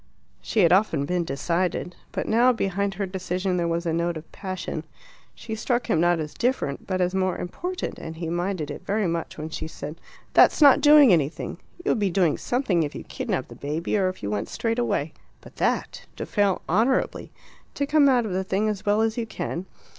She had often been decided. But now behind her decision there was a note of passion. She struck him not as different, but as more important, and he minded it very much when she said "That's not doing anything! You would be doing something if you kidnapped the baby, or if you went straight away. But that! To fail honourably! To come out of the thing as well as you can!